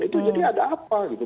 itu jadi ada apa gitu